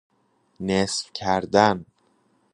نصف کردن